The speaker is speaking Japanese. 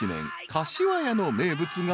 柏屋の名物が］